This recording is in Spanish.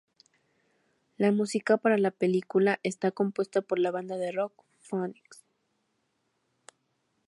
La música para la película está compuesta por la banda de rock Phoenix.